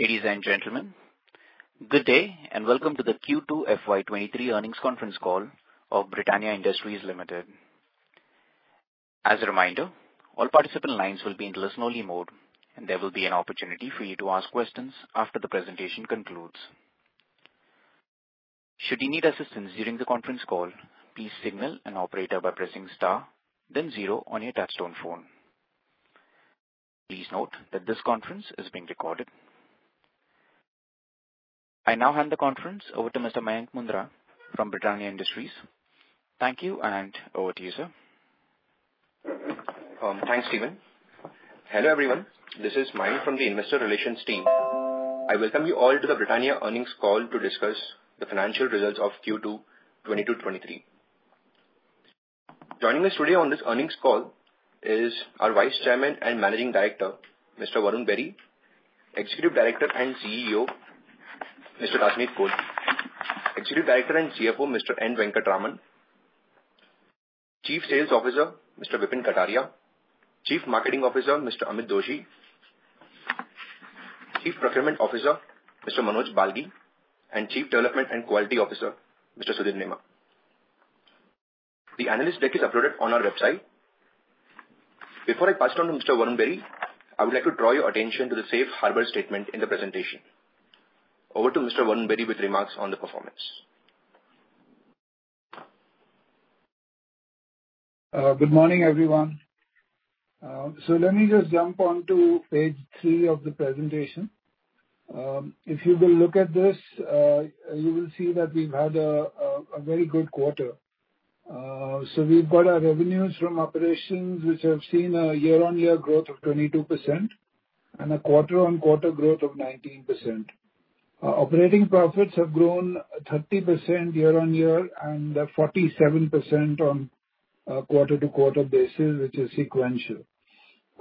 Ladies and gentlemen, good day, and welcome to the Q2 FY23 Earnings Conference Call of Britannia Industries Limited. As a reminder, all participant lines will be in listen-only mode, and there will be an opportunity for you to ask questions after the presentation concludes. Should you need assistance during the conference call, please signal an operator by pressing star then zero on your touchtone phone. Please note that this conference is being recorded. I now hand the conference over to Mr. Mayank Mundra from Britannia Industries. Thank you, and over to you, sir. Thanks, Steven. Hello, everyone. This is Mayank from the investor relations team. I welcome you all to the Britannia earnings call to discuss the financial results of Q2 2022/2023. Joining us today on this earnings call is our Vice Chairman and Managing Director, Mr. Varun Berry. Executive Director and CEO, Mr. Rajneet Kohli. Executive Director and CFO, Mr. N. Venkataraman. Chief Sales Officer, Mr. Vipin Kataria. Chief Marketing Officer, Mr. Amit Doshi. Chief Procurement Officer, Mr. Manoj Balgi, and Chief Development and Quality Officer, Mr. Sudhir Nema. The analyst deck is uploaded on our website. Before I pass it on to Mr. Varun Berry, I would like to draw your attention to the safe harbor statement in the presentation. Over to Mr. Varun Berry with remarks on the performance. Good morning, everyone. Let me just jump onto page three of the presentation. If you will look at this, you will see that we've had a very good quarter. We've got our revenues from operations, which have seen a year-over-year growth of 22% and a quarter-over-quarter growth of 19%. Our operating profits have grown 30% year-over-year and 47% on a quarter-over-quarter basis, which is sequential.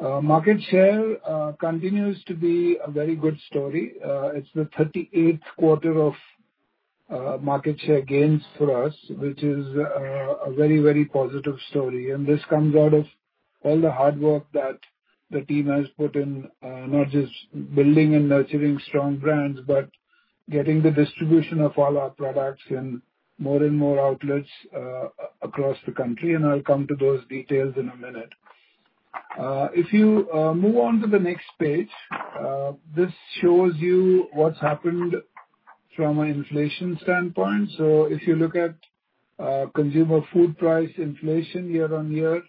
Market share continues to be a very good story. It's the 38th quarter of market share gains for us, which is a very, very positive story. This comes out of all the hard work that the team has put in, not just building and nurturing strong brands, but getting the distribution of all our products in more and more outlets, across the country, and I'll come to those details in a minute. If you move on to the next page, this shows you what's happened from an inflation standpoint. If you look at consumer food price inflation year-on-year,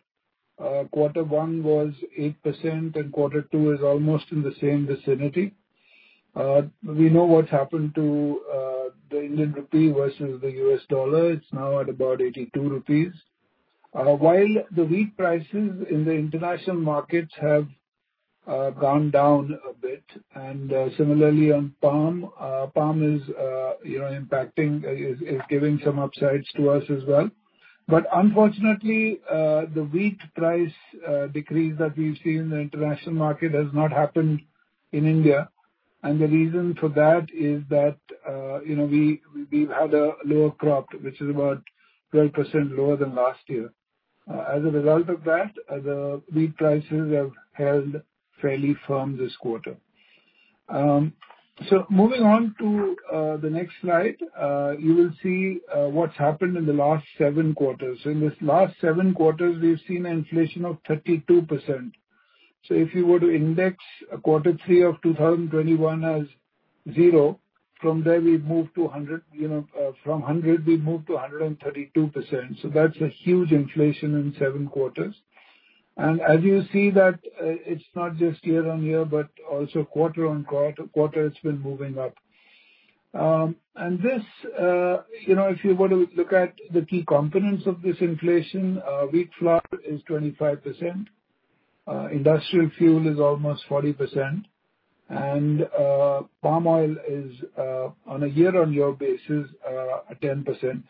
quarter one was 8% and quarter two is almost in the same vicinity. We know what's happened to the Indian rupee versus the U.S. dollar. It's now at about 82 rupees. While the wheat prices in the international markets have gone down a bit, and similarly on palm. Palm is, you know, giving some upsides to us as well. Unfortunately, the wheat price decrease that we've seen in the international market has not happened in India. The reason for that is that we've had a lower crop, which is about 12% lower than last year. As a result of that, the wheat prices have held fairly firm this quarter. Moving on to the next slide, you will see what's happened in the last seven quarters. In this last seven quarters, we've seen inflation of 32%. If you were to index quarter three of 2021 as zero, from there we've moved to 100. From 100, we've moved to 132%. That's a huge inflation in seven quarters. As you see that, it's not just year-on-year, but also quarter-on-quarter, it's been moving up. This, you know, if you were to look at the key components of this inflation, wheat flour is 25%, industrial fuel is almost 40%, and palm oil is, on a year-on-year basis, at 10%.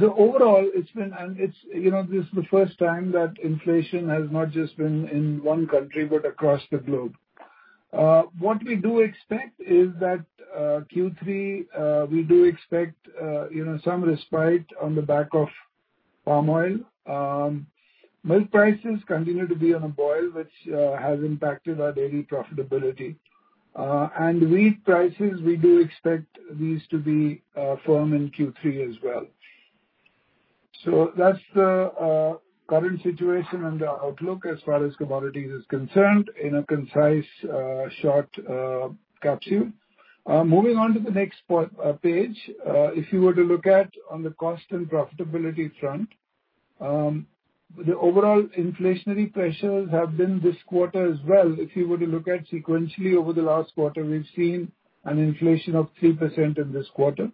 So overall it's been. It's, you know, this is the first time that inflation has not just been in one country but across the globe. What we do expect is that Q3, you know, some respite on the back of palm oil. Milk prices continue to be on a boil, which has impacted our daily profitability. Wheat prices, we do expect these to be firm in Q3 as well. That's the current situation and our outlook as far as commodities is concerned in a concise, short capsule. Moving on to the next page, if you were to look at on the cost and profitability front, the overall inflationary pressures have been this quarter as well. If you were to look at sequentially over the last quarter, we've seen an inflation of 3% in this quarter.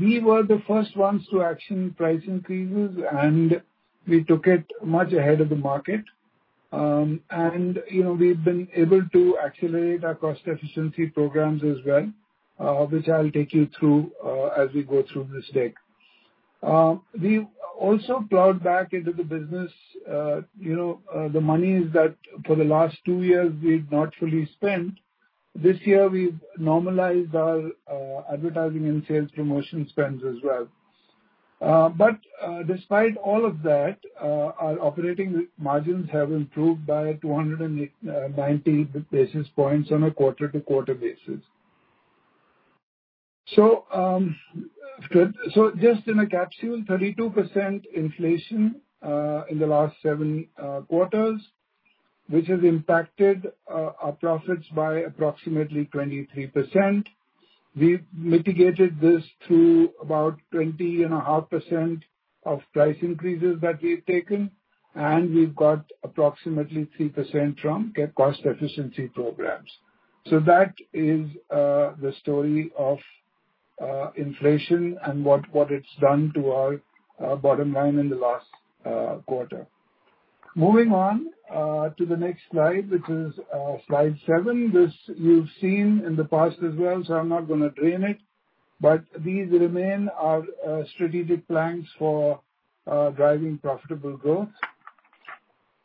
We were the first ones to action price increases, and we took it much ahead of the market. You know, we've been able to accelerate our cost efficiency programs as well, which I'll take you through as we go through this deck. We've also plowed back into the business, you know, the monies that for the last two years we've not fully spent. This year, we've normalized our advertising and sales promotion spends as well. Despite all of that, our operating margins have improved by 290 basis points on a quarter-over-quarter basis. Just in a capsule, 32% inflation in the last seven quarters, which has impacted our profits by approximately 23%. We've mitigated this through about 20.5% of price increases that we've taken, and we've got approximately 3% from cost efficiency programs. That is the story of inflation and what it's done to our bottom line in the last quarter. Moving on to the next slide, which is slide seven. This you've seen in the past as well, so I'm not gonna dwell on it, but these remain our strategic plans for driving profitable growth.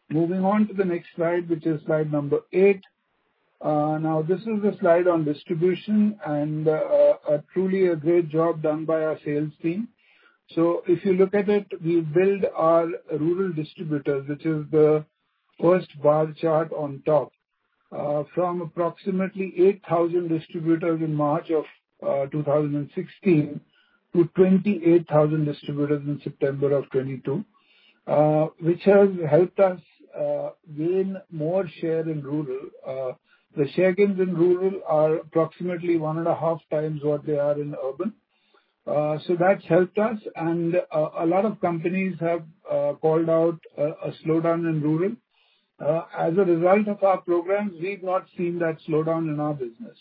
Moving on to the next slide, which is slide number eight. This is the slide on distribution and truly a great job done by our sales team. If you look at it, we built our rural distributors, which is the first bar chart on top, from approximately 8,000 distributors in March of 2016 to 28,000 distributors in September of 2022, which has helped us gain more share in rural. The share gains in rural are approximately one and a half times what they are in urban. That's helped us and a lot of companies have called out a slowdown in rural. As a result of our programs, we've not seen that slowdown in our business.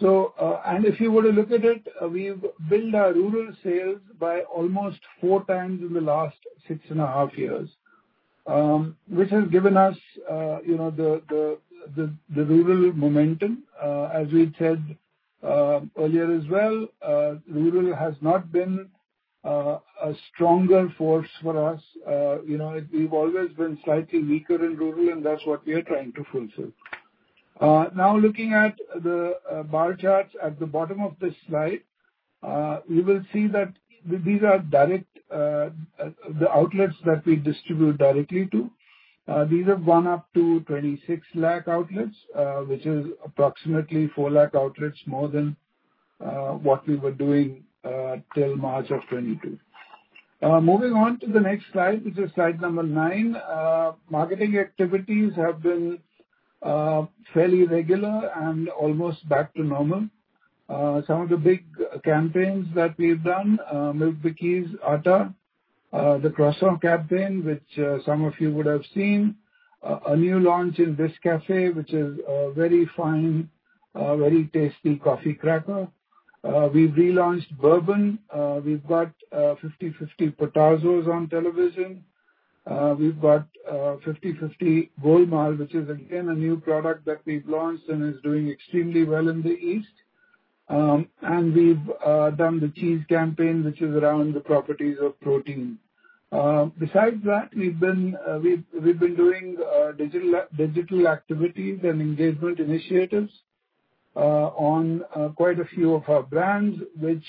If you were to look at it, we've built our rural sales by almost 4x in the last six and a half years, which has given us, you know, the rural momentum. As we said, earlier as well, rural has not been a stronger force for us. You know, we've always been slightly weaker in rural and that's what we are trying to fulfill. Now looking at the bar charts at the bottom of this slide, you will see that these are the outlets that we distribute directly to. These have gone up to 26 lakh outlets, which is approximately 4 lakh outlets more than what we were doing till March of 2022. Moving on to the next slide, which is slide number nine. Marketing activities have been fairly regular and almost back to normal. Some of the big campaigns that we've done, Milk Bikis Atta, the croissant campaign, which some of you would have seen. A new launch in Biscafe, which is a very fine, very tasty coffee cracker. We've relaunched Bourbon. We've got 5050 Potazos on television. We've got 5050 Golmaal, which is again a new product that we've launched and is doing extremely well in the East. We've done the cheese campaign, which is around the properties of protein. Besides that, we've been doing digital activities and engagement initiatives on quite a few of our brands, which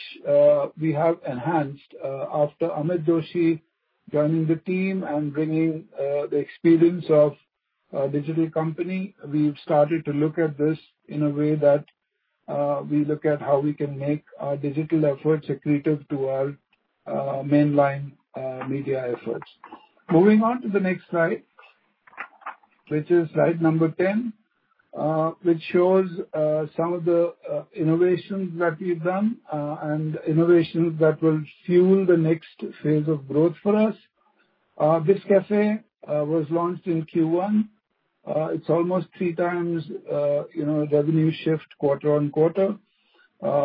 we have enhanced. After Amit Doshi joining the team and bringing the experience of a digital company, we've started to look at this in a way that we look at how we can make our digital efforts accretive to our mainline media efforts. Moving on to the next slide, which is slide number 10, which shows some of the innovations that we've done and innovations that will fuel the next phase of growth for us. Biscafe was launched in Q1. It's almost three times, you know, revenue shift quarter on quarter.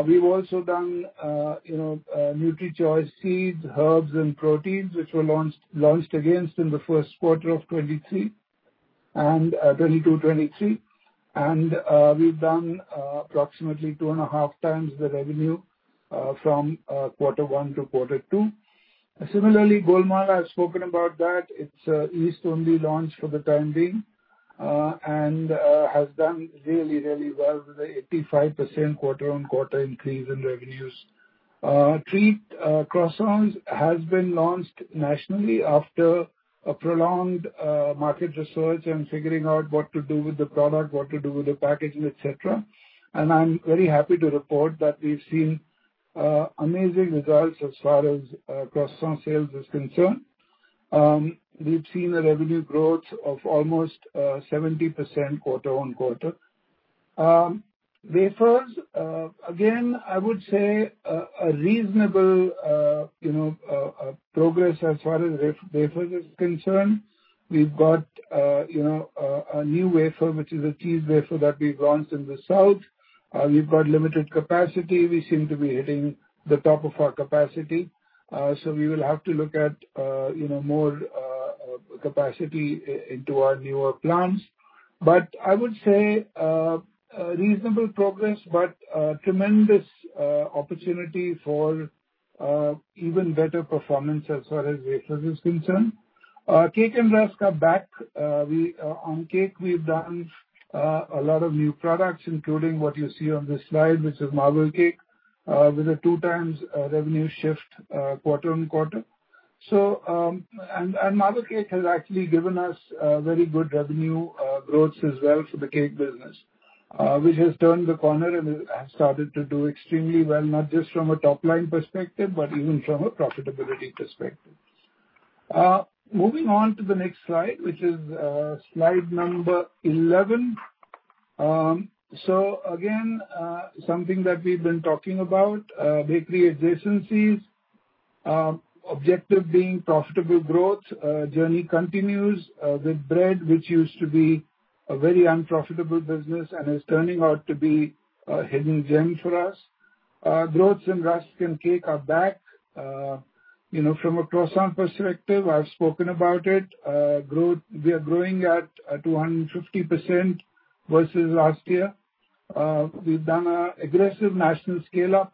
We've also done, you know, Nutri Choice Seeds, Herbs and Proteins, which were launched again in the first quarter of 2023 and 2022, 2023. We've done approximately 2.5x the revenue from quarter one to quarter two. Similarly, 5050 Golmaal, I've spoken about that. It's an East-only launch for the time being and has done really well with 85% quarter-on-quarter increase in revenues. Treat croissants has been launched nationally after a prolonged market research and figuring out what to do with the product, what to do with the packaging, et cetera. I'm very happy to report that we've seen amazing results as far as croissant sales is concerned. We've seen a revenue growth of almost 70% quarter-on-quarter. Wafers, again, I would say, a reasonable, you know, progress as far as wafer is concerned. We've got, you know, a new wafer which is a cheese wafer that we've launched in the South. We've got limited capacity. We seem to be hitting the top of our capacity, so we will have to look at, you know, more capacity into our newer plants. But I would say, a reasonable progress, but tremendous opportunity for even better performance as far as wafers is concerned. Cake and rusk are back. We on cake, we've done a lot of new products, including what you see on this slide, which is marble cake, with a 2x revenue shift, quarter-on-quarter. Marble cake has actually given us very good revenue growth as well for the cake business, which has turned the corner and has started to do extremely well, not just from a top-line perspective, but even from a profitability perspective. Moving on to the next slide, which is slide number 11. Again, something that we've been talking about, bakery adjacencies. Objective being profitable growth. Journey continues with bread, which used to be a very unprofitable business and is turning out to be a hidden gem for us. Growth in rusk and cake are back. You know, from a Croissant perspective, I've spoken about it. Growth. We are growing at 250% versus last year. We've done an aggressive national scale-up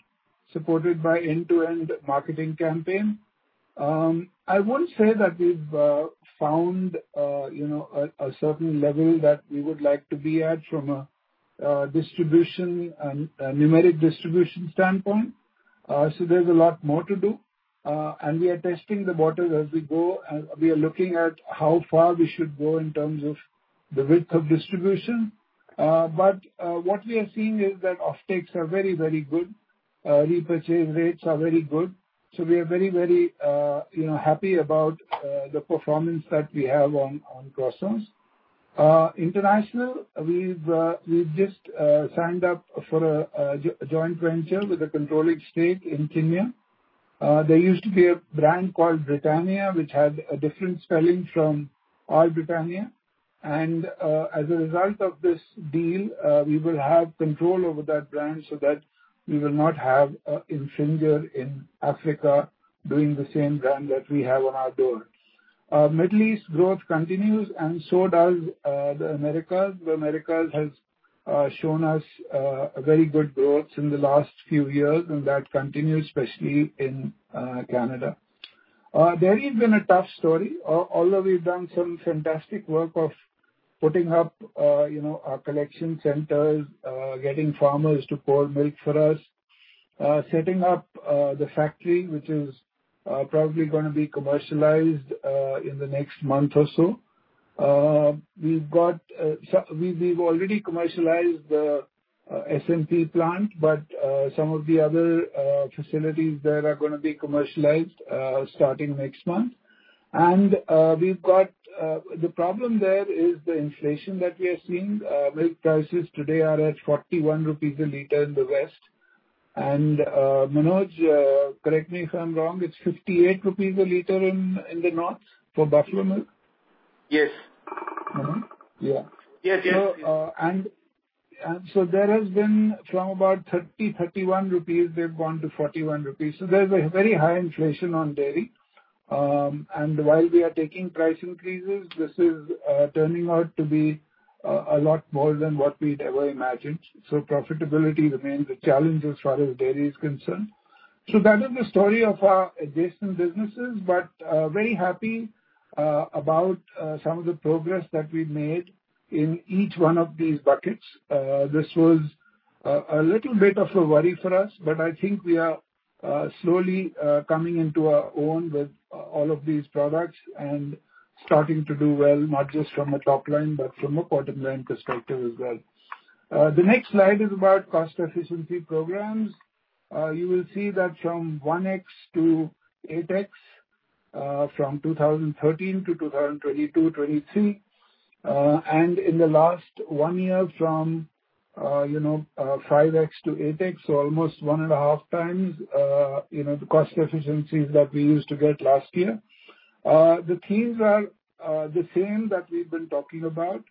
supported by end-to-end marketing campaign. I won't say that we've found, you know, a certain level that we would like to be at from a distribution and numeric distribution standpoint. There's a lot more to do. We are testing the waters as we go. We are looking at how far we should go in terms of the width of distribution. What we are seeing is that offtakes are very, very good. Repurchase rates are very good. We are very, very, you know, happy about the performance that we have on croissants. Internationally, we've just signed up for a joint venture with a controlling stake in Kenya. There used to be a brand called Britannia, which had a different spelling from our Britannia. As a result of this deal, we will have control over that brand so that we will not have an infringer in Africa doing the same brand that we have on our shores. Middle East growth continues and so does the Americas. The Americas has shown us a very good growth in the last few years, and that continues especially in Canada. Dairy has been a tough story. Although we've done some fantastic work of putting up, you know, our collection centers, getting farmers to pour milk for us, setting up the factory, which is probably gonna be commercialized in the next month or so. We've already commercialized the SMP plant, but some of the other facilities there are gonna be commercialized starting next month. The problem there is the inflation that we are seeing. Milk prices today are at 41 rupees a liter in the west. Manoj, correct me if I'm wrong, it's 58 rupees a liter in the north for buffalo milk. Yes. Mm-hmm. Yeah. Yes, yes. There has been from about 31 rupees, they've gone to 41 rupees. There's a very high inflation on dairy. While we are taking price increases, this is turning out to be a lot more than what we'd ever imagined. Profitability remains a challenge as far as dairy is concerned. That is the story of our adjacent businesses, but very happy about some of the progress that we've made in each one of these buckets. This was a little bit of a worry for us, but I think we are slowly coming into our own with all of these products and starting to do well, not just from a top line, but from a bottomline perspective as well. The next slide is about cost efficiency programs. You will see that from 1x-8x, from 2013-2022, 2023. In the last one year from you know 5x-8x, almost 1.5x you know the cost efficiencies that we used to get last year. The things are the same that we've been talking about.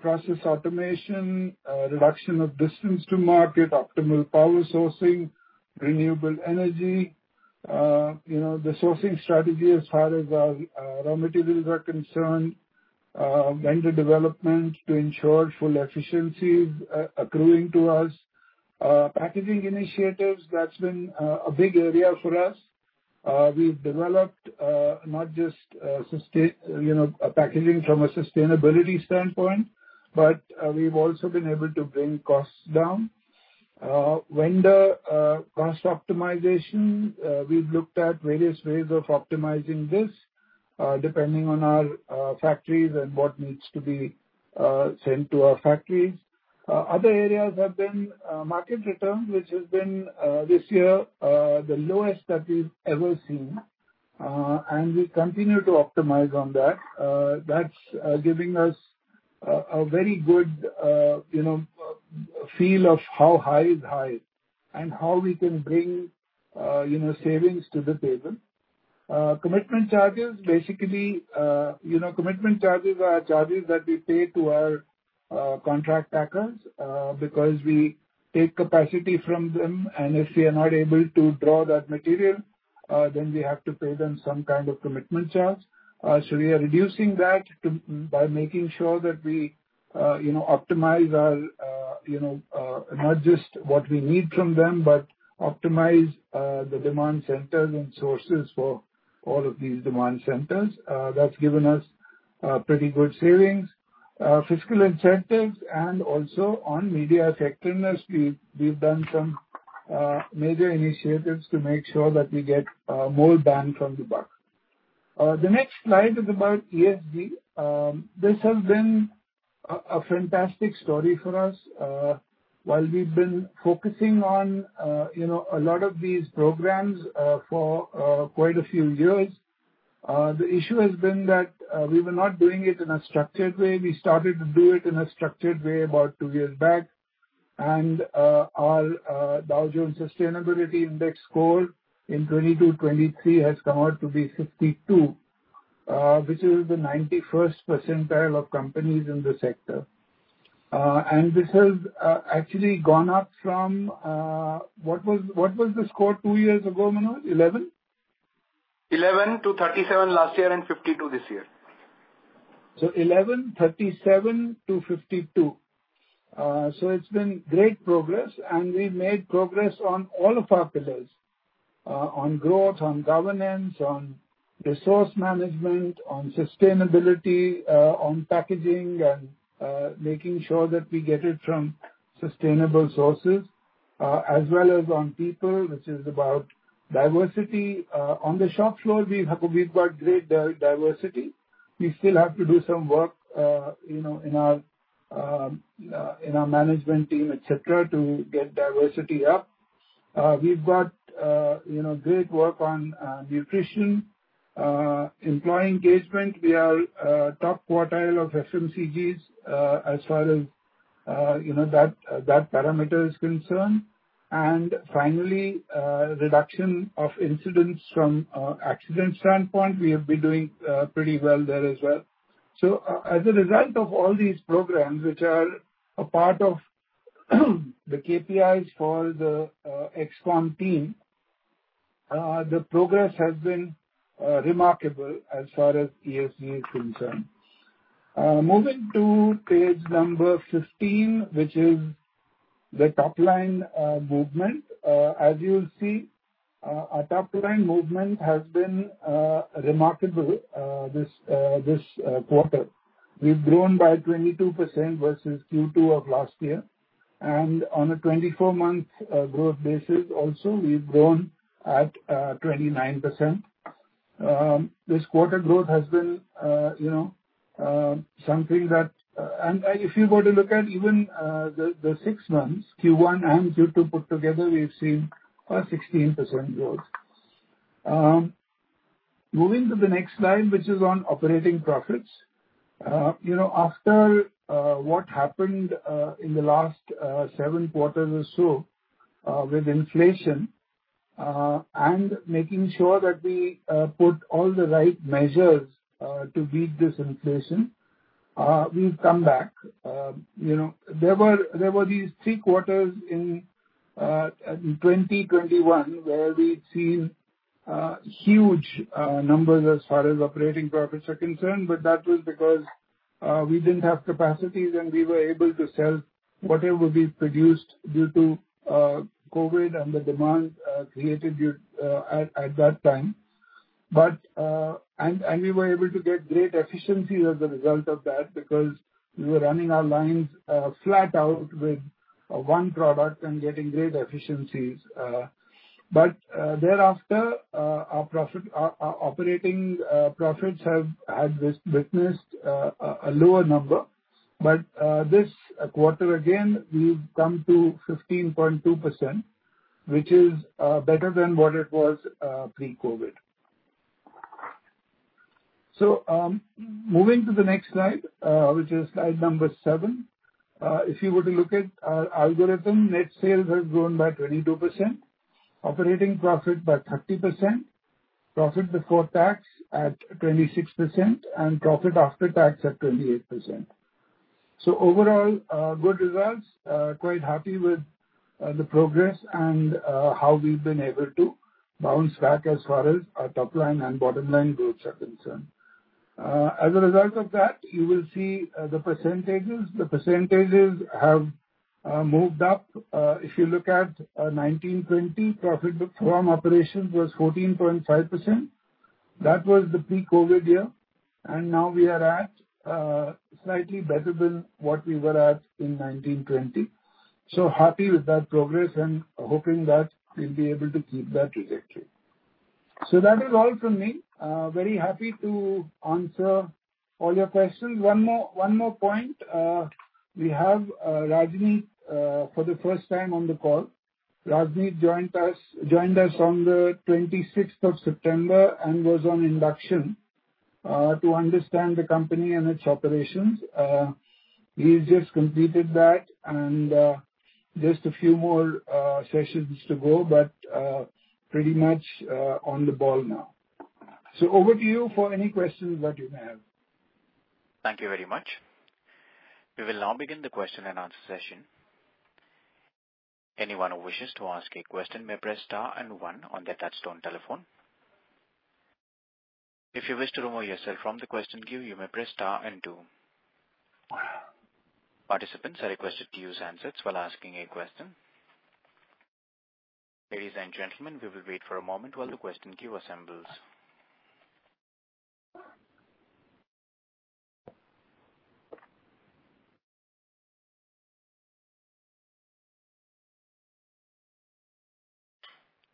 Process automation, reduction of distance to market, optimal power sourcing, renewable energy. You know the sourcing strategy as far as our raw materials are concerned. Vendor development to ensure full efficiency accruing to us. Packaging initiatives, that's been a big area for us. We've developed not just you know packaging from a sustainability standpoint, but we've also been able to bring costs down. Vendor cost optimization, we've looked at various ways of optimizing this, depending on our factories and what needs to be sent to our factories. Other areas have been market return, which has been this year the lowest that we've ever seen. We continue to optimize on that. That's giving us a very good, you know, feel of how high is high and how we can bring, you know, savings to the table. Commitment charges. Basically, you know, commitment charges are charges that we pay to our contract packers because we take capacity from them, and if we are not able to draw that material, then we have to pay them some kind of commitment charge. We are reducing that too by making sure that we you know optimize our you know not just what we need from them but optimize the demand centers and sources for all of these demand centers. That's given us pretty good savings. Fiscal incentives and also on media effectiveness, we've done some major initiatives to make sure that we get more bang from the buck. The next slide is about ESG. This has been a fantastic story for us. While we've been focusing on you know a lot of these programs for quite a few years, the issue has been that we were not doing it in a structured way. We started to do it in a structured way about two years back. Our Dow Jones Sustainability Index score in 2022-2023 has come out to be 52, which is the 91st percentile of companies in the sector. This has actually gone up from what was the score two years ago, Manoj? 11? 11-37 last year and 52 this year. 11, 37-52. It's been great progress, and we made progress on all of our pillars. On growth, on governance, on resource management, on sustainability, on packaging and making sure that we get it from sustainable sources. As well as on people, which is about diversity. On the shop floor, we have we've got great diversity. We still have to do some work, you know, in our in our management team, et cetera, to get diversity up. We've got, you know, great work on nutrition. Employee engagement, we are top quartile of FMCGs, as far as, you know, that that parameter is concerned. Finally, reduction of incidents from accident standpoint, we have been doing pretty well there as well. As a result of all these programs, which are a part of the KPIs for the ExCom team, the progress has been remarkable as far as ESG is concerned. Moving to page number 15, which is the top line movement. As you'll see, our top line movement has been remarkable this quarter. We've grown by 22% versus Q2 of last year. On a 24-month growth basis also, we've grown at 29%. This quarter growth has been, you know, something that if you were to look at even the six months, Q1 and Q2 put together, we've seen 16% growth. Moving to the next slide, which is on operating profits. You know, after what happened in the last seven quarters or so with inflation and making sure that we put all the right measures to beat this inflation, we've come back. You know, there were these three quarters in 2021 where we'd seen huge numbers as far as operating profits are concerned, but that was because we didn't have capacities, and we were able to sell whatever we produced due to COVID and the demand created due at that time. We were able to get great efficiency as a result of that because we were running our lines flat out with one product and getting great efficiencies. Thereafter, our profit, operating profits have had in this business a lower number. This quarter again, we've come to 15.2%, which is better than what it was pre-COVID. Moving to the next slide, which is slide number seven. If you were to look at our algorithm, net sales have grown by 22%, operating profit by 30%, profit before tax at 26%, and profit after tax at 28%. Overall, good results. Quite happy with the progress and how we've been able to bounce back as far as our top line and bottom line growth are concerned. As a result of that, you will see the percentages. The percentages have moved up. If you look at 2019, 2020, profit from operations was 14.5%. That was the pre-COVID year. Now we are at slightly better than what we were at in 2019, 2020. Happy with that progress and hoping that we'll be able to keep that trajectory. That is all from me. Very happy to answer all your questions. One more point. We have Rajneet for the first time on the call. Rajneet joined us on the 26th of September and was on induction to understand the company and its operations. He's just completed that and just a few more sessions to go, but pretty much on the ball now. Over to you for any questions that you have. Thank you very much. We will now begin the question and answer session. Anyone who wishes to ask a question may press star and one on their touchtone telephone. If you wish to remove yourself from the question queue, you may press star and two. Participants are requested to use handsets while asking a question. Ladies and gentlemen, we will wait for a moment while the question queue assembles.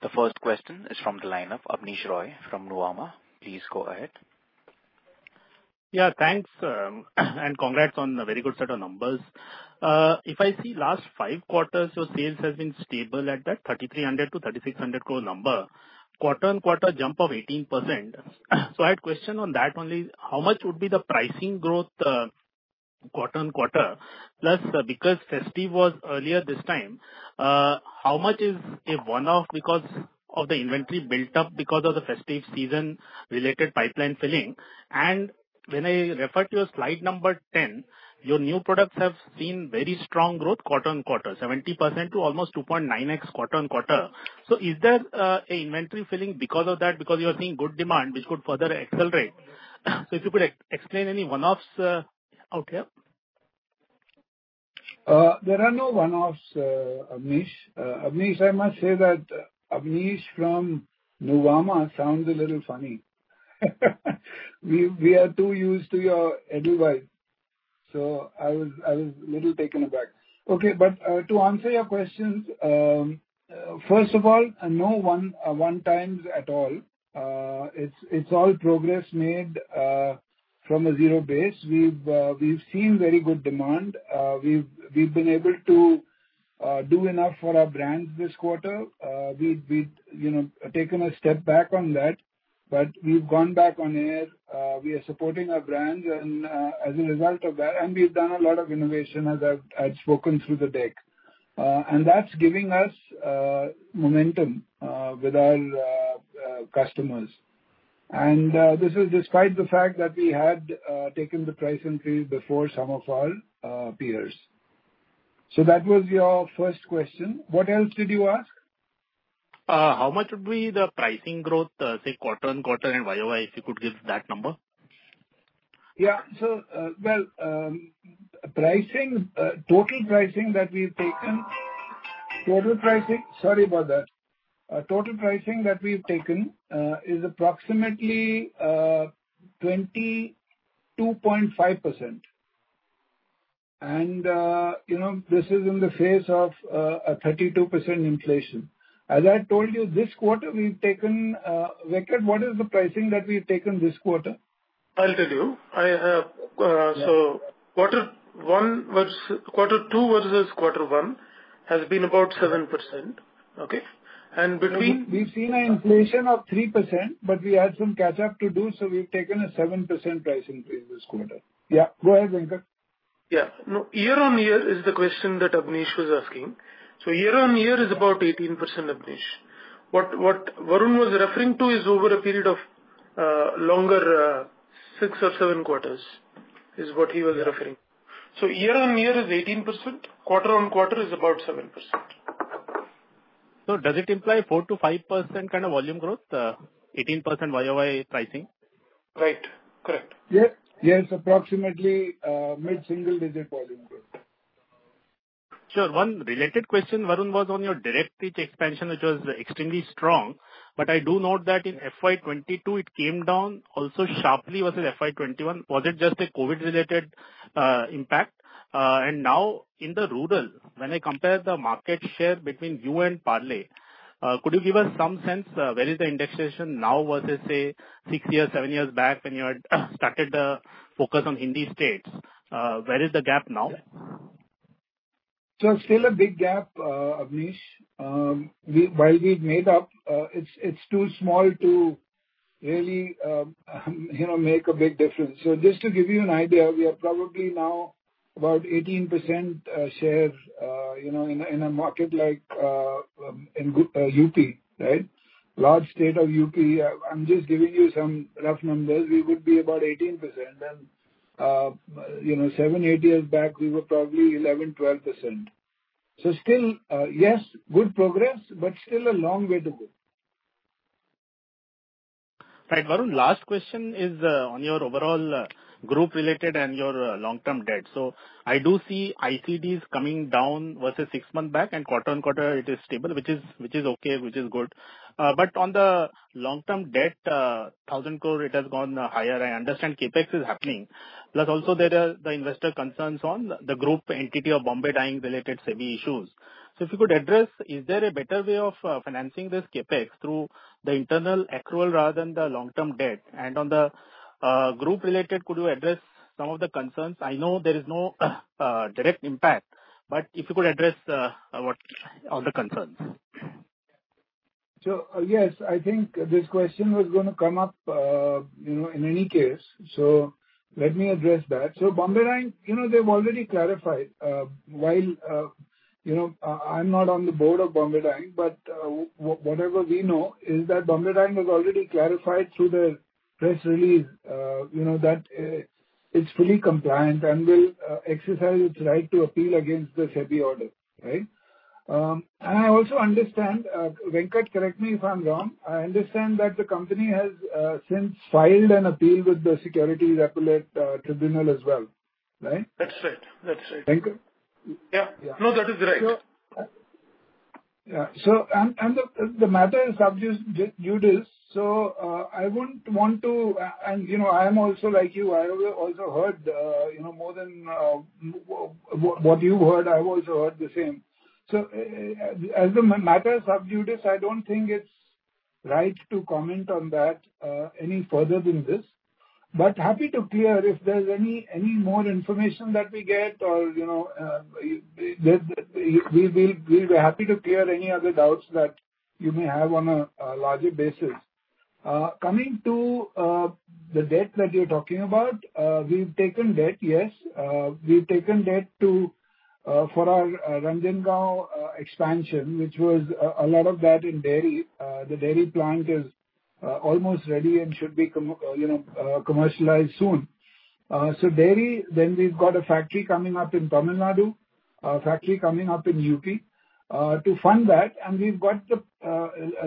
The first question is from the line of Abneesh Roy from Nuvama. Please go ahead. Yeah, thanks, and congrats on a very good set of numbers. If I see last five quarters, your sales has been stable at that 3,300 crore-3,600 crore number. Quarter-on-quarter jump of 18%. I had question on that only. How much would be the pricing growth, quarter-on-quarter? Plus, because festive was earlier this time, how much is a one-off because of the inventory built-up because of the festive season related pipeline filling? When I refer to your slide number 10, your new products have seen very strong growth quarter-on-quarter, 70% to almost 2.9x quarter-on-quarter. Is there a inventory filling because of that? Because you are seeing good demand which could further accelerate. If you could explain any one-offs out here. There are no one-offs, Abneesh. Abneesh, I must say that Abneesh from Nuvama sounds a little funny. We are too used to your edgy way, so I was a little taken aback. Okay, to answer your questions, first of all, no one-offs at all. It's all progress made from a zero base. We've seen very good demand. We've been able to do enough for our brands this quarter. We've, you know, taken a step back on that, but we've gone back on air. We are supporting our brands and as a result of that, and we've done a lot of innovation, as I've spoken through the deck. That's giving us momentum with our customers. This is despite the fact that we had taken the price increase before some of our peers. That was your first question. What else did you ask? How much would be the pricing growth, say, quarter-on-quarter and YoY, if you could give that number? Total pricing that we've taken... Sorry about that. Total pricing that we've taken is approximately 22.5%. You know, this is in the face of a 32% inflation. As I told you, this quarter, we've taken, Venkat, what is the pricing that we've taken this quarter? I'll tell you. I have- Yeah. Quarter one versus quarter two versus quarter one has been about 7%. Okay? Between- We've seen an inflation of 3%, but we had some catch-up to do, so we've taken a 7% price increase this quarter. Yeah. Go ahead, Venkat. Yeah. No, year-on-year is the question that Abneesh was asking. Year-on-year is about 18%, Abneesh. What Varun was referring to is over a period of longer six or seven quarters, is what he was referring. Year-on-year is 18%, quarter-on-quarter is about 7%. Does it imply 4%-5% kind of volume growth, 18% YoY pricing? Right. Correct. Yes. Yes. Approximately, mid-single digit volume growth. Sure. One related question, Varun, was on your direct reach expansion, which was extremely strong. I do note that in FY 2022, it came down also sharply versus FY 2021. Was it just a COVID-related impact? Now in the rural, when I compare the market share between you and Parle, could you give us some sense where is the indexation now versus say six years, seven years back when you had started the focus on Hindi states? Where is the gap now? It's still a big gap, Abneesh. While we've made up, it's too small to really, you know, make a big difference. Just to give you an idea, we are probably now about 18% share, you know, in a market like UP, right? Large state of UP. I'm just giving you some rough numbers. We could be about 18% and, you know, seven, eight years back we were probably 11%, 12%. Still, yes, good progress, but still a long way to go. Right. Varun, last question is on your overall group related and your long-term debt. I do see ICDs coming down versus six months back and quarter-on-quarter it is stable, which is okay, which is good. On the long-term debt, 1,000 crore, it has gone higher. I understand CapEx is happening. Plus also there are the investor concerns on the group entity of Bombay Dyeing-related SEBI issues. If you could address, is there a better way of financing this CapEx through the internal accrual rather than the long-term debt? On the group related, could you address some of the concerns? I know there is no direct impact, but if you could address what are the concerns. Yes, I think this question was gonna come up, you know, in any case, let me address that. Bombay Dyeing, you know, they've already clarified while you know I'm not on the board of Bombay Dyeing, but whatever we know is that Bombay Dyeing has already clarified through the press release, you know, that it's fully compliant and will exercise its right to appeal against the SEBI order, right? I also understand, Venkat, correct me if I'm wrong. I understand that the company has since filed an appeal with the Securities Appellate Tribunal as well, right? That's right. Venkat? Yeah. Yeah. No, that is right. Yeah. The matter is subjudice, so I wouldn't want to. And, you know, I am also like you. I also heard, you know, more than what you heard. I've also heard the same. As the matter is subjudice, I don't think it's right to comment on that any further than this. But happy to clear if there's any more information that we get or, you know, we will be happy to clear any other doubts that you may have on a larger basis. Coming to the debt that you're talking about. We've taken debt, yes. We've taken debt for our Ranjangaon expansion, which was a lot of that in dairy. The dairy plant is almost ready and should be commercialized soon. You know, dairy, then we've got a factory coming up in Tamil Nadu, a factory coming up in UP. To fund that and we've got the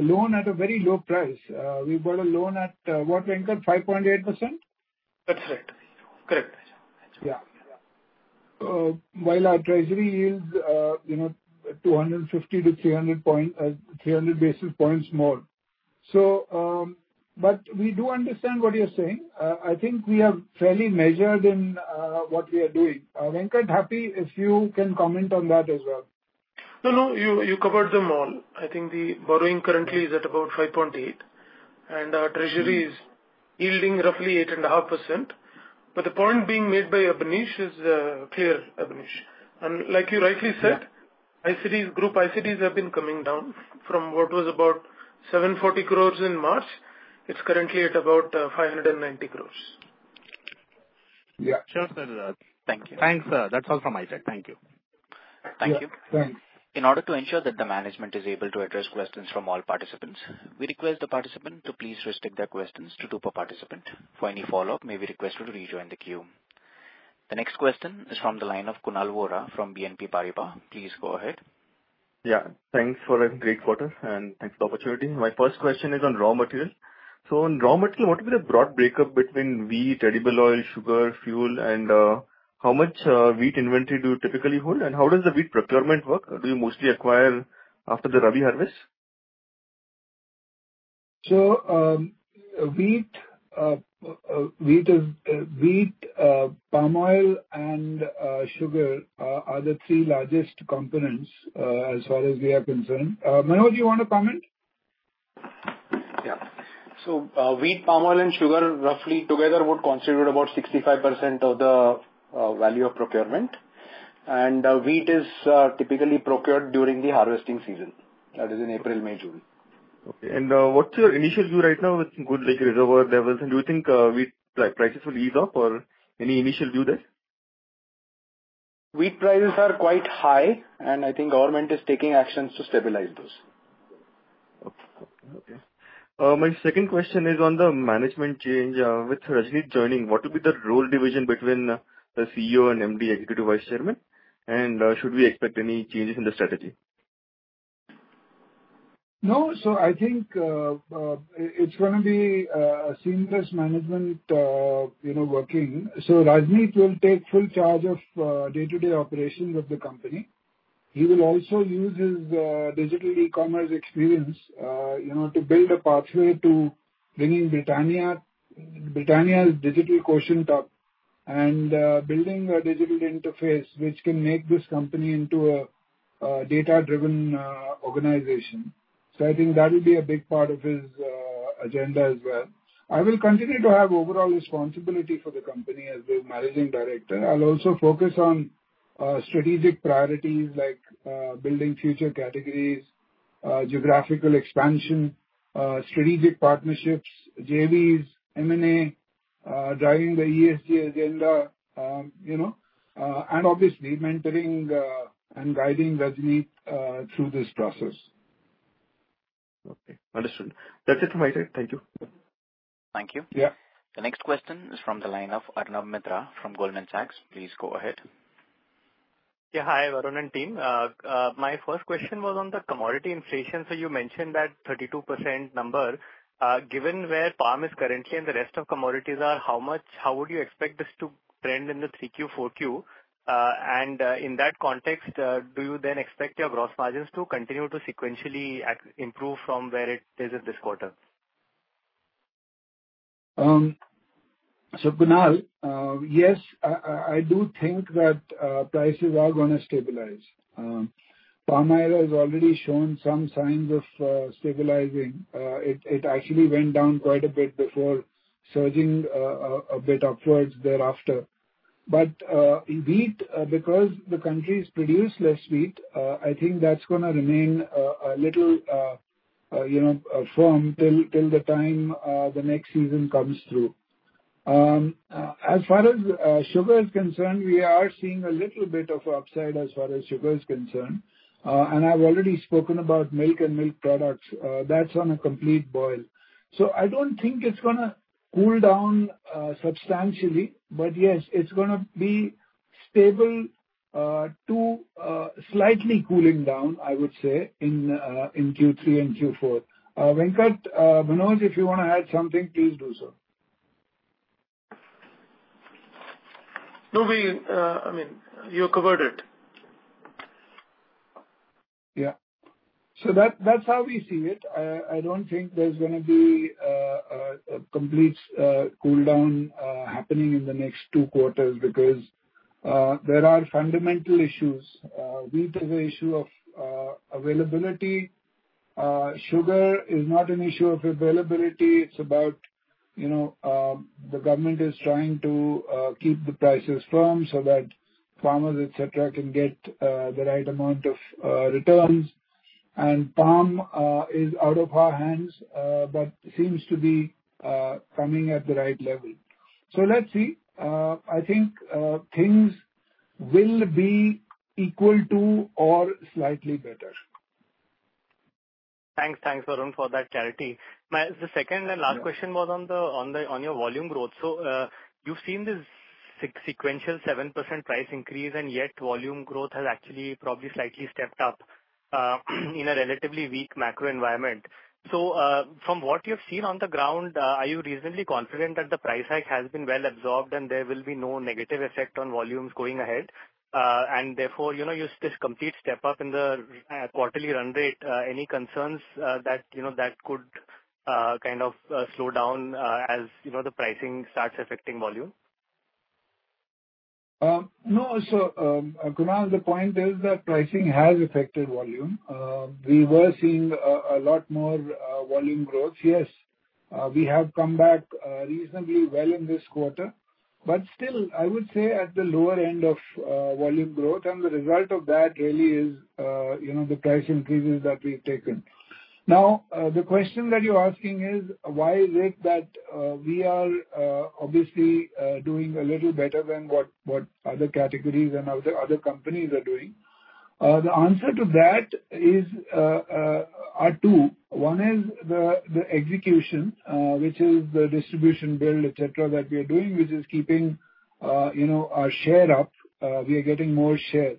loan at a very low price. We've got a loan at, what, Venkat, 5.8%? That's right. Correct. Yeah. While our treasury yields, you know, 250-300 basis points more. We do understand what you're saying. I think we have fairly measured in what we are doing. Venkat, happy if you can comment on that as well. No, you covered them all. I think the borrowing currently is at about 5.8%, and our treasury is yielding roughly 8.5%. The point being made by Abneesh is clear, Abneesh. And like you rightly said ICDs, group ICDs have been coming down from what was about 740 crores in March. It's currently at about 590 crores. Yeah. Sure, sir. Thank you. Thanks, sir. That's all from my side. Thank you. Thank you. Yeah. In order to ensure that the management is able to address questions from all participants, we request the participant to please restrict their questions to two per participant. For any follow-up, may be requested to rejoin the queue. The next question is from the line of Kunal Vora from BNP Paribas. Please go ahead. Yeah. Thanks for a great quarter, and thanks for the opportunity. My first question is on raw material. On raw material, what would be the broad breakup between wheat, edible oil, sugar, fuel and how much wheat inventory do you typically hold, and how does the wheat procurement work? Do you mostly acquire after the Rabi harvest? Wheat, palm oil and sugar are the three largest components as far as we are concerned. Manoj, you want to comment? Yeah. Wheat, palm oil and sugar roughly together would constitute about 65% of the value of procurement. Wheat is typically procured during the harvesting season. That is in April, May, June. Okay. What's your initial view right now with regard to reserve levels? Do you think wheat prices will ease up or any initial view there? Wheat prices are quite high, and I think government is taking actions to stabilize those. Okay. My second question is on the management change. With Rajneet joining, what will be the role division between the CEO and MD Executive Vice Chairman? Should we expect any changes in the strategy? No. I think it's gonna be a seamless management, you know, working. Rajneet will take full charge of day-to-day operations of the company. He will also use his digital e-commerce experience, you know, to build a pathway to bringing Britannia's digital quotient up and building a digital interface which can make this company into a data-driven organization. I think that will be a big part of his agenda as well. I will continue to have overall responsibility for the company as the managing director. I'll also focus on strategic priorities like building future categories, geographical expansion, strategic partnerships, JVs, M&A, driving the ESG agenda, you know, and obviously mentoring and guiding Rajneet through this process. Okay. Understood. That's it from my side. Thank you. Thank you. Yeah. The next question is from the line of Arnab Mitra from Goldman Sachs. Please go ahead. Hi, Varun and team. My first question was on the commodity inflation. You mentioned that 32% number. Given where palm is currently and the rest of commodities are, how would you expect this to trend in 3Q, 4Q? In that context, do you then expect your gross margins to continue to sequentially improve from where it is at this quarter? Kunal, yes, I do think that prices are gonna stabilize. Palm oil has already shown some signs of stabilizing. It actually went down quite a bit before surging a bit upwards thereafter. In wheat, because the countries produce less wheat, I think that's gonna remain a little, you know, firm till the time the next season comes through. As far as sugar is concerned, we are seeing a little bit of upside as far as sugar is concerned. I've already spoken about milk and milk products. That's on a complete boil. I don't think it's gonna cool down substantially. Yes, it's gonna be stable to slightly cooling down, I would say in Q3 and Q4. Venkat, Manoj, if you wanna add something, please do so. No, I mean, you covered it. Yeah. That, that's how we see it. I don't think there's gonna be a complete cooldown happening in the next two quarters because there are fundamental issues. Wheat has an issue of availability. Sugar is not an issue of availability. It's about, you know, the government is trying to keep the prices firm so that farmers, et cetera, can get the right amount of returns. Palm is out of our hands, but seems to be coming at the right level. Let's see. I think things will be equal to or slightly better. Thanks. Thanks, Varun, for that clarity. The second and last question was on your volume growth. You've seen this sequential 7% price increase, and yet volume growth has actually probably slightly stepped up in a relatively weak macro environment. From what you've seen on the ground, are you reasonably confident that the price hike has been well absorbed and there will be no negative effect on volumes going ahead? Therefore, you know, this complete step up in the quarterly run rate, any concerns that, you know, that could kind of slow down as, you know, the pricing starts affecting volume? No, Kunal, the point is that pricing has affected volume. We were seeing a lot more volume growth. Yes, we have come back reasonably well in this quarter. Still, I would say at the lower end of volume growth. The result of that really is, you know, the price increases that we've taken. Now, the question that you're asking is, why is it that we are obviously doing a little better than what other categories and other companies are doing? The answer to that is there are two. One is the execution, which is the distribution build, et cetera, that we are doing, which is keeping, you know, our share up. We are getting more share.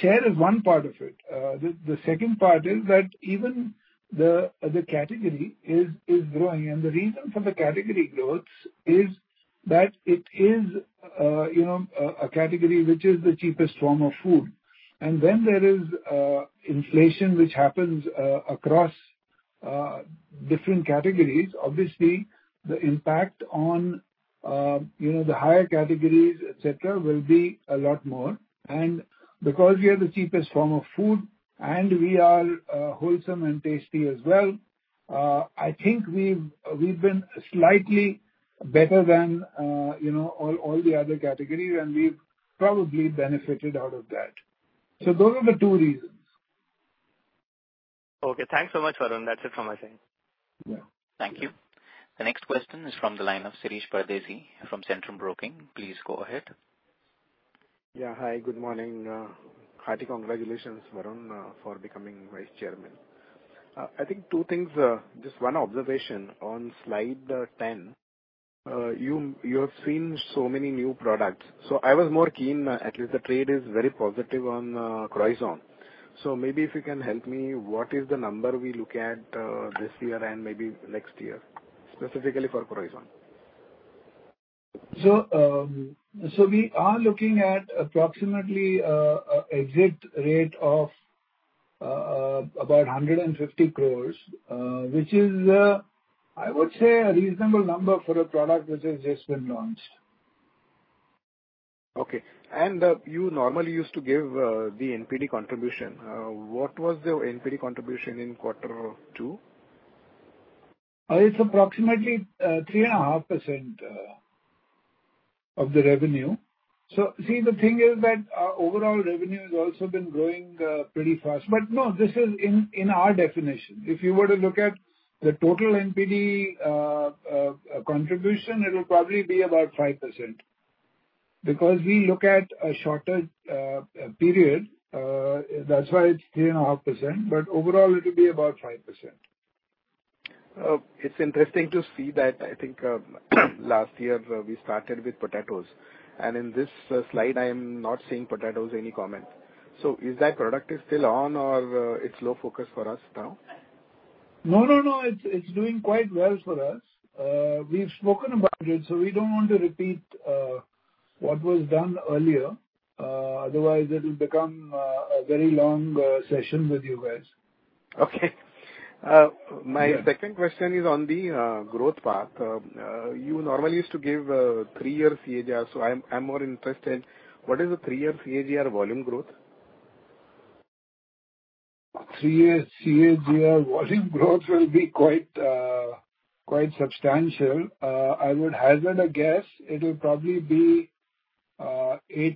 Share is one part of it. The second part is that even the category is growing. The reason for the category growth is that it is, you know, a category which is the cheapest form of food. When there is inflation which happens across different categories, obviously the impact on, you know, the higher categories, et cetera, will be a lot more. Because we are the cheapest form of food and we are wholesome and tasty as well, I think we've been slightly better than, you know, all the other categories, and we've probably benefited out of that. Those are the two reasons. Okay. Thanks so much, Varun. That's it from my side. Yeah. Thank you. The next question is from the line of Shirish Pardeshi from Centrum Broking. Please go ahead. Yeah. Hi, good morning. Hearty congratulations, Varun, for becoming Vice Chairman. I think two things. Just one observation on slide 10. You have seen so many new products, so I was more keen, at least the trade is very positive on Croissant. So maybe if you can help me, what is the number we look at this year and maybe next year specifically for Croissant? We are looking at approximately a exit rate of about 150 crores, which is, I would say, a reasonable number for a product which has just been launched. You normally used to give the NPD contribution. What was the NPD contribution in quarter two? It's approximately 3.5% of the revenue. See, the thing is that our overall revenue has also been growing pretty fast. No, this is in our definition. If you were to look at the total NPD contribution, it'll probably be about 5%. Because we look at a shorter period, that's why it's 3.5%, but overall it'll be about 5%. It's interesting to see that. I think last year we started with Potazos, and in this slide I am not seeing Potazos. Any comment? Is that product still on, or is it low focus for us now? No, no. It's doing quite well for us. We've spoken about it, so we don't want to repeat what was done earlier. Otherwise it'll become a very long session with you guys. Okay. My second question is on the growth path. You normally used to give three-year CAGR, so I'm more interested, what is the three-year CAGR volume growth? Three-year CAGR volume growth will be quite substantial. I would hazard a guess, it'll probably be 8%.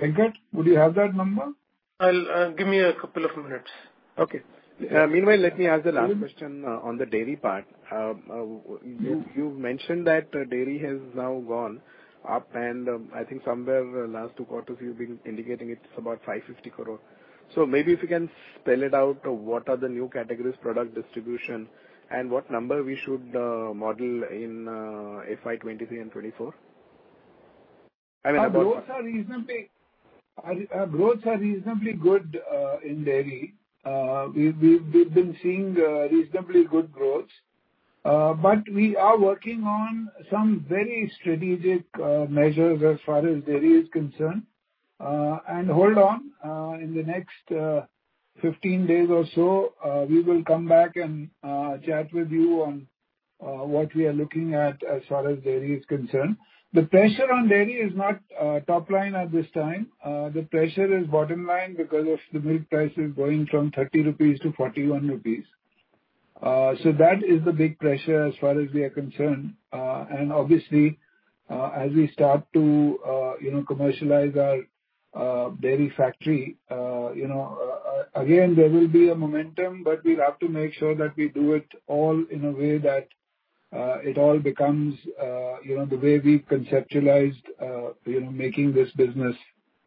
Venkat, would you have that number? I'll give me a couple of minutes. Okay. Meanwhile, let me ask the last question on the dairy part. You've mentioned that dairy has now gone up and I think somewhere last two quarters you've been indicating it's about 550 crore. Maybe if you can spell it out, what are the new categories product distribution and what number we should model in FY 2023 and 2024? Our growths are reasonably good in dairy. We've been seeing reasonably good growth. We are working on some very strategic measures as far as dairy is concerned. Hold on, in the next 15 days or so, we will come back and chat with you on what we are looking at as far as dairy is concerned. The pressure on dairy is not top line at this time. The pressure is bottom line because of the milk prices going from 30 rupees to 41 rupees. That is the big pressure as far as we are concerned. Obviously, as we start to, you know, commercialize our dairy factory, you know, again, there will be a momentum, but we'll have to make sure that we do it all in a way that it all becomes, you know, the way we conceptualized, you know, making this business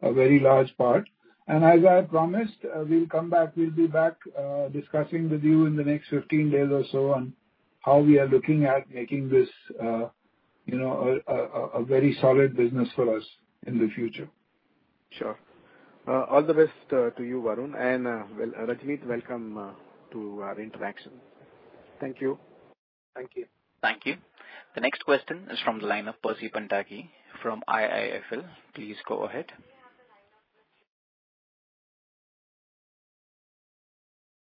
a very large part. As I promised, we'll come back. We'll be back, discussing with you in the next 15 days or so on how we are looking at making this, you know, a very solid business for us in the future. Sure. All the best to you, Varun. Well, Rajneet, welcome to our interaction. Thank you. Thank you. Thank you. The next question is from the line of Percy Panthaki from IIFL. Please go ahead.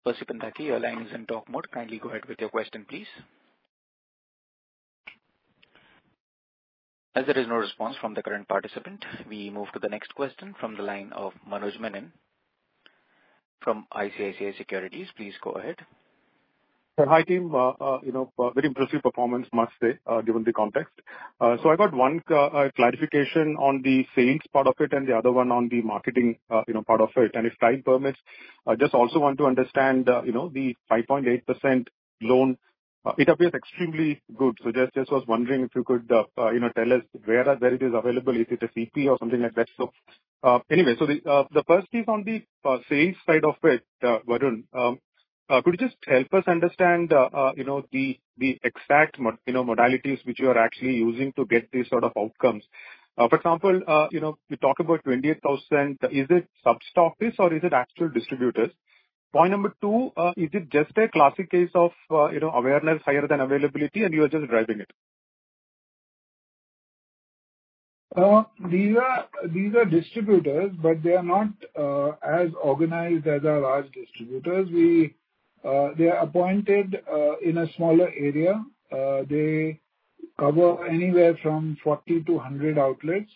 Percy Panthaki, your line is in talk mode. Kindly go ahead with your question, please. As there is no response from the current participant, we move to the next question from the line of Manoj Menon from ICICI Securities. Please go ahead. Hi, team. You know, very impressive performance, must say, given the context. I got one clarification on the sales part of it and the other one on the marketing, you know, part of it. If time permits, I just also want to understand, you know, the 5.8% loan. It appears extremely good. Just was wondering if you could, you know, tell us where it is available, if it's a CP or something like that. Anyway, the first is on the sales side of it, Varun. Could you just help us understand, you know, the exact modalities which you are actually using to get these sort of outcomes? For example, you know, you talk about 28%. Is it sub-stockists or is it actual distributors? Point number two, is it just a classic case of, you know, awareness higher than availability and you are just driving it? These are distributors, but they are not as organized as our large distributors. They are appointed in a smaller area. They cover anywhere from 40-100 outlets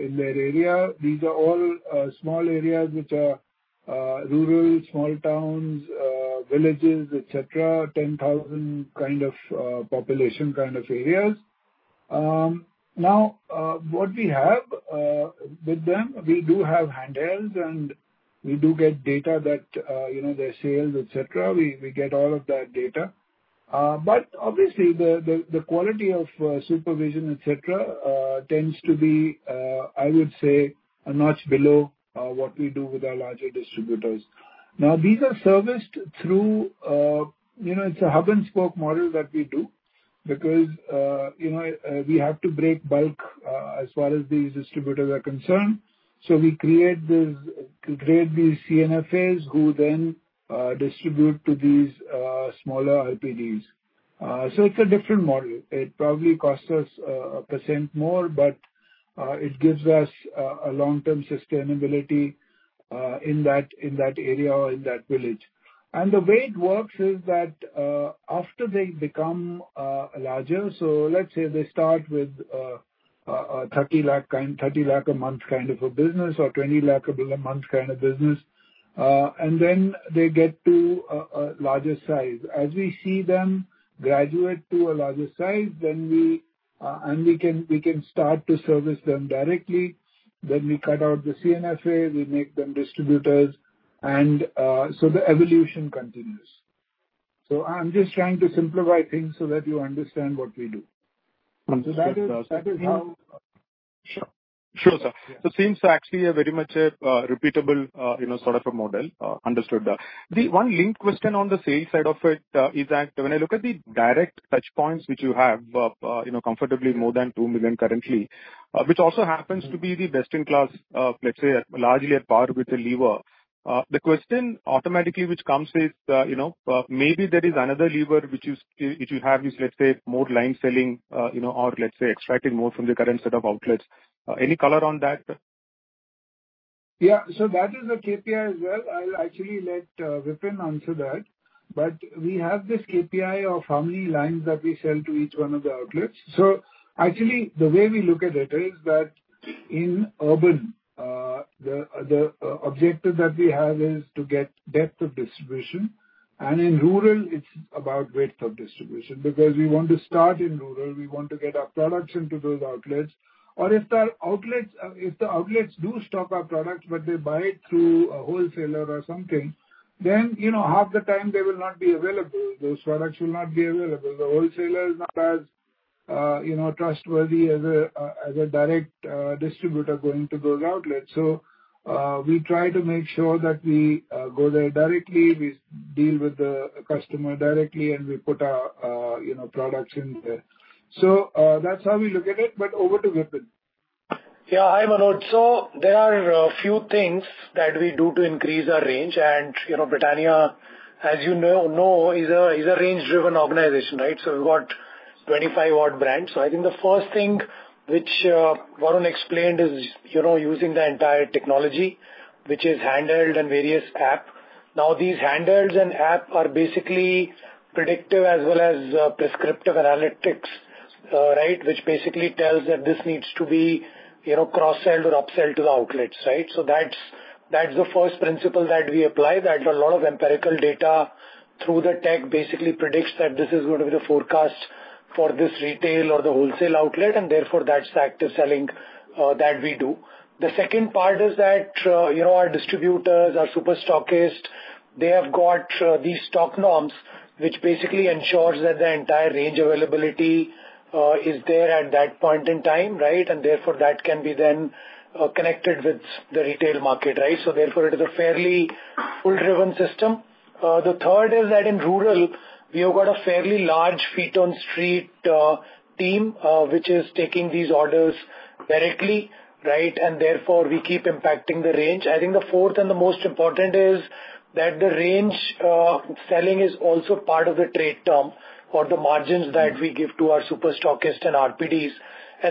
in their area. These are all small areas which are rural, small towns, villages, et cetera, 10,000 kind of population kind of areas. Now, what we have with them, we do have handhelds, and we do get data that, you know, their sales, et cetera. We get all of that data. But obviously the quality of supervision, et cetera, tends to be, I would say, a notch below what we do with our larger distributors. These are serviced through, you know, it's a hub-and-spoke model that we do because, you know, we have to break bulk, as far as these distributors are concerned. We create these C&FAs who then distribute to these smaller RPDs. It's a different model. It probably costs us 1% more, but it gives us a long-term sustainability in that area or in that village. The way it works is that after they become larger, so let's say they start with a 30 lakh a month kind of a business or 20 lakh a month kind of business, and then they get to a larger size. As we see them graduate to a larger size, then we can start to service them directly. We cut out the C&FAs, we make them distributors, and so the evolution continues. I'm just trying to simplify things so that you understand what we do. Understood, sir. That is, that is how- Sure. Sure, sir. Yeah. Seems to actually a very much repeatable, you know, sort of a model. Understood that. The one linked question on the sales side of it is that when I look at the direct touchpoints which you have, you know, comfortably more than 2 million currently, which also happens to be the best in class, let's say largely at par with the leader. The question automatically which comes is, you know, maybe there is another lever which you have, let's say, multi-line selling, you know, or let's say extracting more from the current set of outlets. Any color on that? Yeah. That is a KPI as well. I'll actually let Vipin answer that. We have this KPI of how many lines that we sell to each one of the outlets. Actually the way we look at it is that in urban, the objective that we have is to get depth of distribution, and in rural it's about breadth of distribution. Because we want to start in rural, we want to get our products into those outlets. Or if the outlets do stock our products but they buy it through a wholesaler or something, then, you know, half the time they will not be available. Those products will not be available. The wholesaler is not as, you know, trustworthy as a direct distributor going to those outlets. We try to make sure that we go there directly, we deal with the customer directly, and we put our, you know, products in there. That's how we look at it. Over to Vipin. Yeah. Hi, Manoj. There are a few things that we do to increase our range. You know, Britannia, as you know, is a range-driven organization, right? We've got 25 odd brands. I think the first thing which Varun explained is, you know, using the entire technology, which is handled in various apps. These handlers and apps are basically predictive as well as prescriptive analytics, right, which basically tells that this needs to be, you know, cross-sell or upsell to the outlets, right? That's the first principle that we apply, that a lot of empirical data through the tech basically predicts that this is going to be the forecast for this retail or the wholesale outlet, and therefore that's the active selling that we do. The second part is that, you know, our distributors, our super stockists, they have got, these stock norms which basically ensures that the entire range availability, is there at that point in time, right? Therefore that can be then, connected with the retail market, right? Therefore it is a fairly pull-driven system. The third is that in rural we have got a fairly large feet on street, team, which is taking these orders directly, right? Therefore we keep impacting the range. I think the fourth and the most important is that the range, selling is also part of the trade term or the margins that we give to our super stockists and RPDs.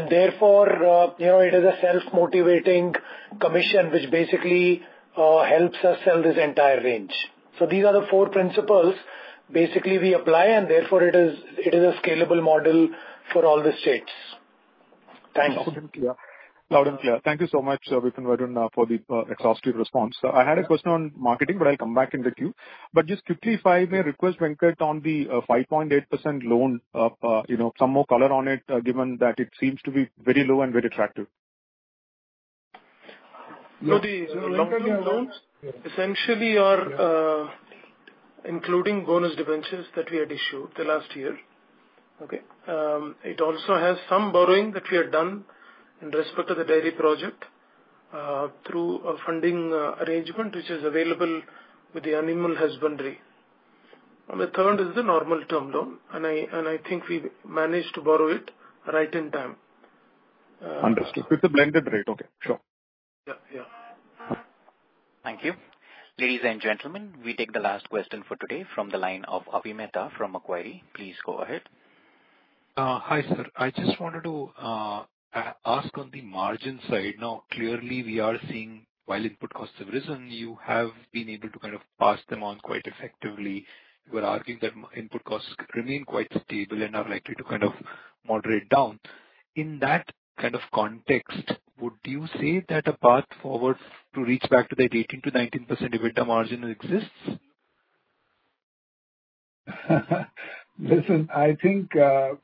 Therefore, you know, it is a self-motivating commission which basically, helps us sell this entire range. These are the four principles basically we apply and therefore it is a scalable model for all the states. Thanks. Loud and clear. Thank you so much, Vipin, Varun, for the exhaustive response. I had a question on marketing, but I'll come back in the queue. Just quickly, if I may request, Venkat, on the 5.8% loan, you know, some more color on it, given that it seems to be very low and very attractive. The long-term loans essentially are including bonus debentures that we had issued the last year. Okay. It also has some borrowing that we had done in respect to the dairy project through a funding arrangement which is available with the animal husbandry. The third is the normal term loan. I think we managed to borrow it right in time. Understood. With the blended rate. Okay, sure. Yeah, yeah. Thank you. Ladies and gentlemen, we take the last question for today from the line of Avi Mehta from Macquarie. Please go ahead. Hi, sir. I just wanted to ask on the margin side. Now, clearly we are seeing while input costs have risen, you have been able to kind of pass them on quite effectively. You are arguing that input costs remain quite stable and are likely to kind of moderate down. In that kind of context, would you say that a path forward to reach back to the 18%-19% EBITDA margin exists? Listen, I think,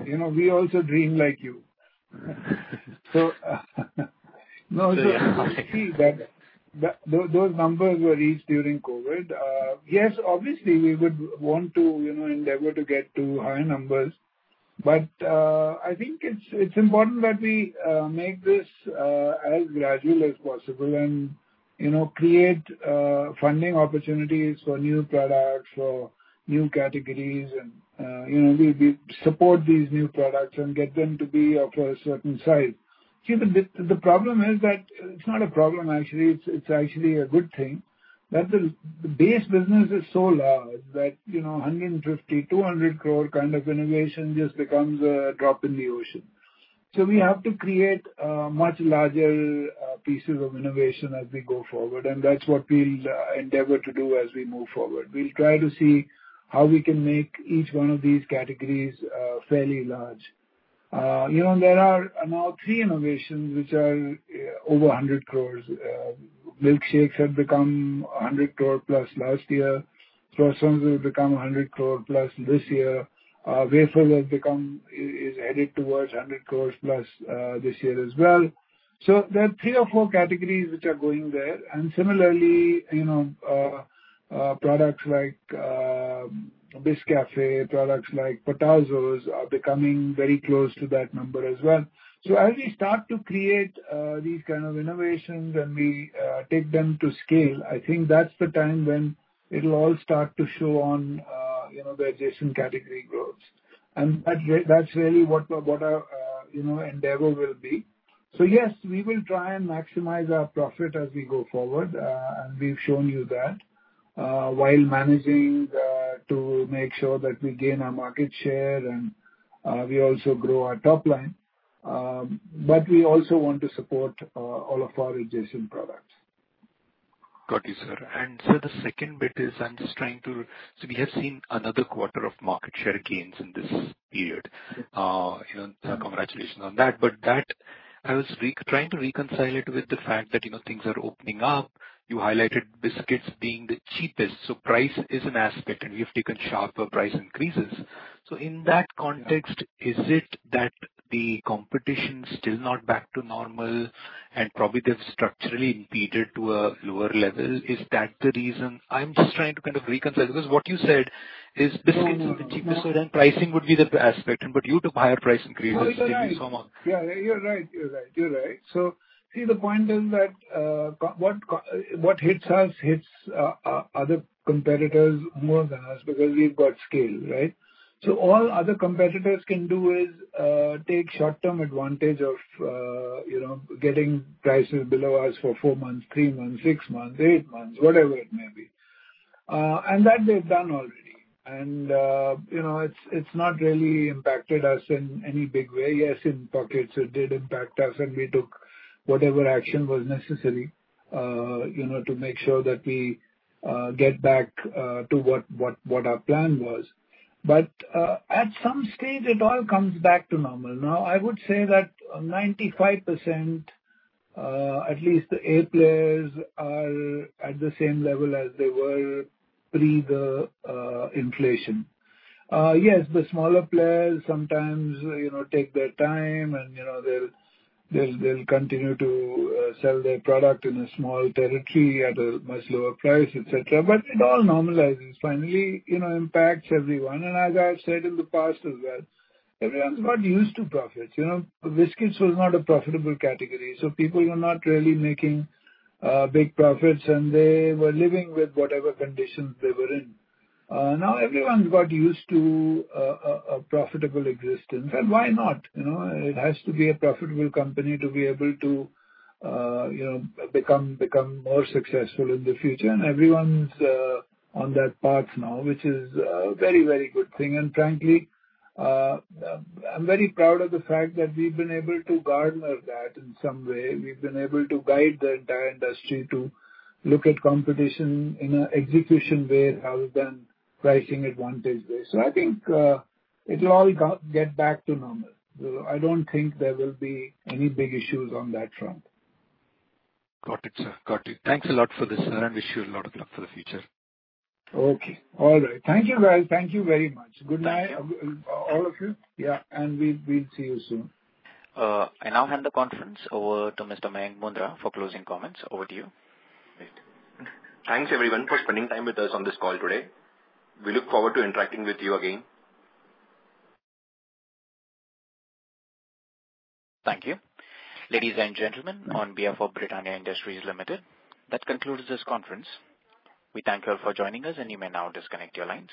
you know, we also dream like you. Yeah. No, see, that. Those numbers were reached during COVID. Yes, obviously we would want to, you know, endeavor to get to higher numbers. I think it's important that we make this as gradual as possible and, you know, create funding opportunities for new products or new categories and, you know, we support these new products and get them to be of a certain size. See the problem is that. It's not a problem actually, it's actually a good thing, that the base business is so large that, you know, 150 crore-200 crore kind of innovation just becomes a drop in the ocean. We have to create much larger pieces of innovation as we go forward, and that's what we'll endeavor to do as we move forward. We'll try to see how we can make each one of these categories fairly large. You know, there are now three innovations which are over 100 crore. Milkshakes have become 100 crore plus last year. Croissants have become 100 crore plus this year. Wafers is headed towards 100 crore plus this year as well. There are three or four categories which are going there. Similarly, you know, products like Biscafe, products like Potazos are becoming very close to that number as well. As we start to create these kind of innovations and we take them to scale, I think that's the time when it'll all start to show on you know, the adjacent category growths. That's really what our you know, endeavor will be. Yes, we will try and maximize our profit as we go forward, and we've shown you that, while managing to make sure that we gain our market share and we also grow our top line. But we also want to support all of our adjacent products. Got you, sir. Sir, the second bit is I'm just trying to. We have seen another quarter of market share gains in this period. You know, congratulations on that. That I was trying to reconcile it with the fact that, you know, things are opening up. You highlighted biscuits being the cheapest, so price is an aspect, and you have taken sharper price increases. In that context, is it that the competition's still not back to normal and probably they've structurally impeded to a lower level? Is that the reason? I'm just trying to kind of reconcile, because what you said. It's biscuits on the cheaper side and pricing would be the aspect, but due to higher pricing created. No, you're right. See, the point is that what hits us hits other competitors more than us because we've got scale, right? All other competitors can do is take short-term advantage of you know, getting prices below us for four months, three months, six months, eight months, whatever it may be. That they've done already. You know, it's not really impacted us in any big way. Yes, in pockets it did impact us, and we took whatever action was necessary you know, to make sure that we get back to what our plan was. At some stage it all comes back to normal. Now, I would say that 95%, at least the A players are at the same level as they were pre the inflation. Yes, the smaller players sometimes, you know, take their time and, you know, they'll continue to sell their product in a small territory at a much lower price, et cetera. It all normalizes finally, you know, impacts everyone. As I've said in the past as well, everyone's got used to profits. You know, biscuits was not a profitable category, so people were not really making big profits, and they were living with whatever conditions they were in. Now everyone's got used to a profitable existence. Why not? You know, it has to be a profitable company to be able to, you know, become more successful in the future. Everyone's on that path now, which is a very, very good thing. Frankly, I'm very proud of the fact that we've been able to garner that in some way. We've been able to guide the entire industry to look at competition in a execution way rather than pricing advantage way. I think it'll all get back to normal. I don't think there will be any big issues on that front. Got it, sir. Thanks a lot for this, sir, and wish you a lot of luck for the future. Okay. All right. Thank you, guys. Thank you very much. Good night, all of you. Yeah, and we'll see you soon. I now hand the conference over to Mr. Mayank Mundra for closing comments. Over to you. Great. Thanks, everyone, for spending time with us on this call today. We look forward to interacting with you again. Thank you. Ladies and gentlemen, on behalf of Britannia Industries Limited, that concludes this conference. We thank you all for joining us, and you may now disconnect your lines.